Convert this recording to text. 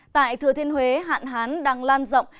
tại thừa thiên huế hạn hán đang lan rộng